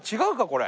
これ。